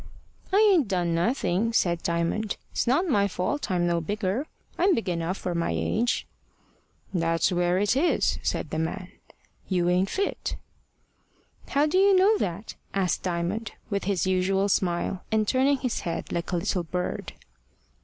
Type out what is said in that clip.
"I ain't done nothing," said Diamond. "It's not my fault I'm no bigger. I'm big enough for my age." "That's where it is," said the man. "You ain't fit." "How do you know that?" asked Diamond, with his usual smile, and turning his head like a little bird.